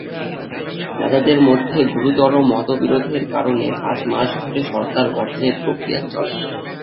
নেতাদের মধ্যে গুরুতর মতবিরোধের কারণে পাঁচ মাস ধরে সরকার গঠনের প্রক্রিয়া চলে।